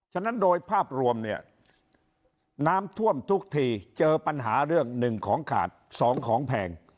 ฉะนั้นโดยภาพรวมเนี่ยน้ำท่วมทุกทีเจอปัญหาเรื่อง๑ของขาด๒ของแพง